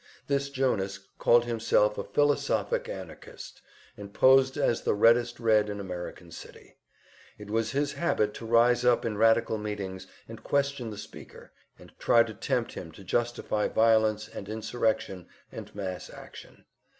This Jonas called himself a "philosophic anarchist," and posed as the reddest Red in American City; it was his habit to rise up in radical meetings and question the speaker, and try to tempt him to justify violence and insurrection and "mass action."